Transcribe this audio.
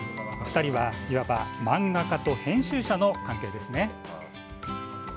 ２人は、いわば漫画家と編集者の関係です。